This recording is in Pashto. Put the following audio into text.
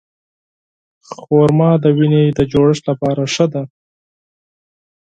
خرما د وینې د جوړښت لپاره ښه ده.